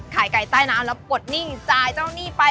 ขายไก่ใต้น้ำแล้วกดหนี้จ่ายเจ้านี่ไป